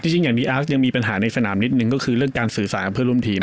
จริงอย่างดีอาร์ฟยังมีปัญหาในสนามนิดนึงก็คือเรื่องการสื่อสารกับเพื่อนร่วมทีม